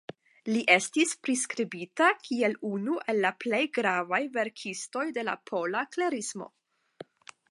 Li estis priskribita kiel unu el la plej gravaj verkistoj de la Pola Klerismo.